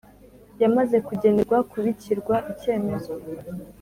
yamaze kugenerwa kubikirwa icyemezo